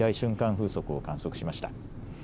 風速を観測しました。